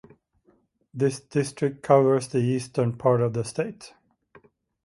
This district covers the Eastern part of the state.